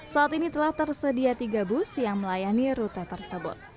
saat ini telah tersedia tiga bus yang melayani rute tersebut